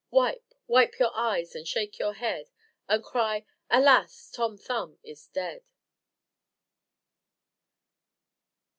Wipe, wipe your eyes, and shake your head, And cry, 'Alas! Tom Thumb is dead.'"